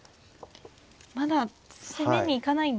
まだ攻めに行かないんですね。